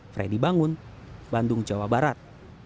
freddy bangun bandung jawa barat